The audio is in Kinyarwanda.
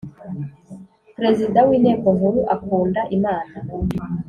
Prezida w Inteko Nkuru akunda imana.